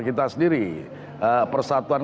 kita sendiri persatuan